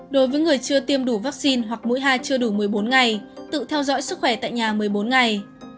đối với người chưa tiêm đủ vaccine hoặc mũi hai chưa đủ một mươi bốn ngày tự theo dõi sức khỏe tại nhà một mươi bốn ngày